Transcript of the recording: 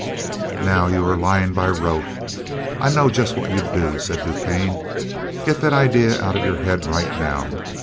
"Now you are lying by rote I know just what you'd do," said DuQuesne. "Get that idea out of your head right now.